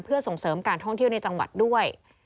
เพื่อส่งเสริมการท่องเที่ยวในจังหวัดด้วย